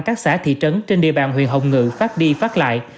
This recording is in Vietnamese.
các xã thị trấn trên địa bàn huyện hồng ngự phát đi phát lại